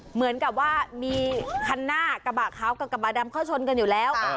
เหมือนกับว่ามีคันหน้ากระบะขาวกับกระบะดำเข้าชนกันอยู่แล้ว